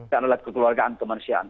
dan adalah kekeluargaan kemanusiaan